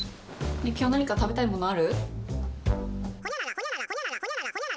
ねぇ今日何か食べたいものある？